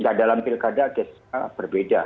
ya dalam pilkada berbeda